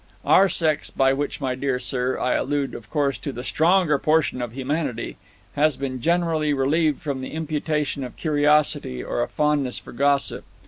Our sex by which, my dear sir, I allude of course to the stronger portion of humanity has been generally relieved from the imputation of curiosity, or a fondness for gossip.